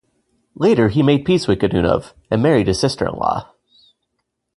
Later he made peace with Godunov and married his sister-in-law.